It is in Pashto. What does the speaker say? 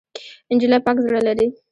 نجلۍ پاک زړه لري.